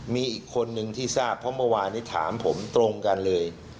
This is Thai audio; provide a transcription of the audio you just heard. มีอีกคนนึงที่ทราบเพราะเมื่อวานนี้ถามผมตรงกันเลย